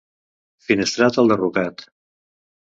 Finestrat, el derrocat.